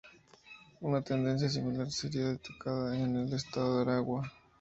Una tendencia similar sería detectada en el estado Aragua.